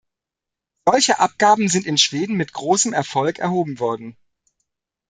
Solche Abgaben sind in Schweden mit großem Erfolg erhoben worden.